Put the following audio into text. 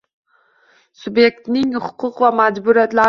Subyektning huquq va majburiyatlari